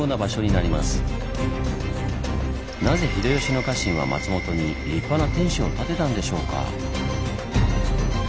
なぜ秀吉の家臣は松本に立派な天守を建てたんでしょうか？